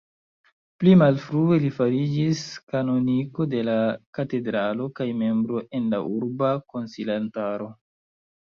Pli malfrue li fariĝis kanoniko de la katedralo, kaj membro en la Urba Konsilantaro.